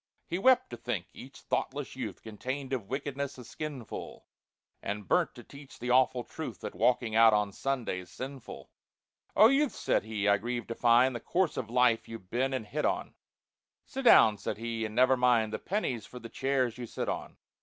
He wept to think each thoughtless youth Contained of wickedness a skinful, And burnt to teach the awful truth, That walking out on Sunday's sinful. "Oh, youths," said he, "I grieve to find The course of life you've been and hit on— Sit down," said he, "and never mind The pennies for the chairs you sit on.